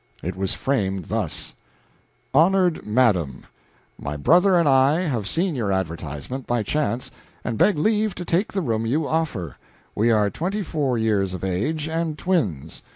It was framed thus: Honored Madam: My brother and I have seen your advertisement, by chance, and beg leave to take the room you offer. We are twenty four years of age and twins.